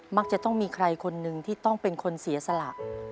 มักจะต้องมีใครคนนึงที่ต้องเป็นคนเสียสละ